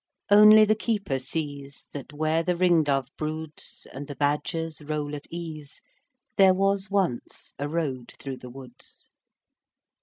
Only the keeper sees That, where the ring dove broods, And the badgers roll at ease, There was once a road through the woods.